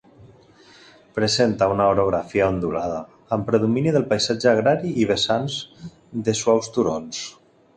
Presenta una orografia ondulada, amb predomini del paisatge agrari i vessants de suaus turons.